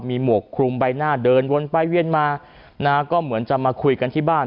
มีหมวกคลุมใบหน้าเดินวนไปเวียนมานะฮะก็เหมือนจะมาคุยกันที่บ้าน